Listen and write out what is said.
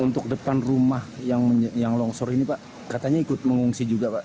untuk depan rumah yang longsor ini pak katanya ikut mengungsi juga pak